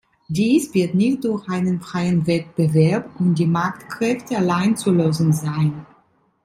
Dies wird nicht durch einen freien Wettbewerb und die Marktkräfte allein zu lösen sein.